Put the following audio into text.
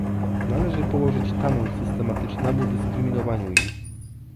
Należy położyć tamę systematycznemu dyskryminowaniu ich